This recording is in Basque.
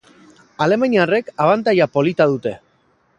Alemaniarrek abantaila polita dute.